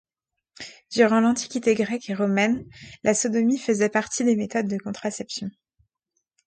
Durant l'Antiquité grecque et romaine, la sodomie faisait partie des méthodes de contraception.